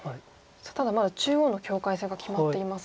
ただまだ中央の境界線が決まっていませんが。